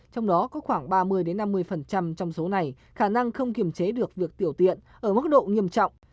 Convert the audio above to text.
trong đó có khoảng ba mươi năm mươi trong số này khả năng không kiểm chế được việc tiểu tiện ở mức độ nghiêm trọng